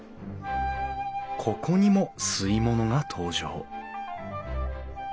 ここにも吸い物が登場